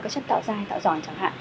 chất tạo dai chất tạo giòn chẳng hạn